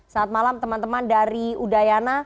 saat malam teman teman dari udayana